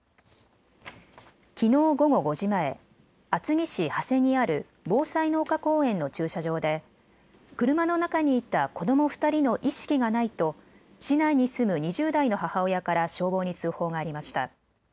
きのう午後５時前、厚木市長谷にあるぼうさいの丘公園の駐車場で車の中にいた子ども２人の意識がないと市内に住む２０代の母親から消防に通報がありました。